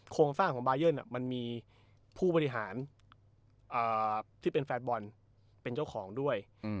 โครงสร้างของบายันมันมีผู้บริหารที่เป็นแฟนบอลเป็นเจ้าของด้วย